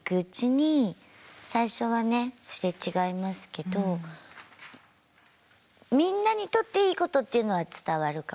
擦れ違いますけどみんなにとっていいことっていうのは伝わるかもしれないですね。